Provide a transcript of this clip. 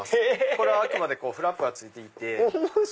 これはあくまでフラップがついていて。